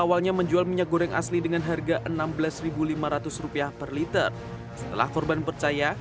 awalnya menjual minyak goreng asli dengan harga rp enam belas lima ratus rupiah per liter setelah korban percaya